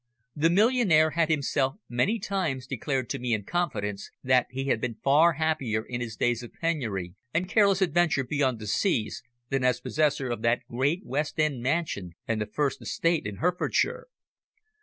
The millionaire had himself many times declared to me in confidence that he had been far happier in his days of penury and careless adventure beyond the seas, than as possessor of that great West End mansion, and the first estate in Herefordshire.